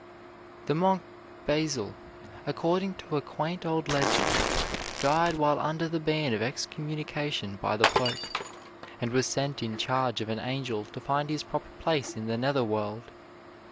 The monk Basle, according to a quaint old legend, died while under the ban of excommunication by the pope, and was sent in charge of an angel to find his proper place in the nether world.